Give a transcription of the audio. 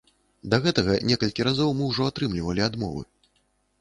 Да гэтага некалькі разоў мы ўжо атрымлівалі адмовы.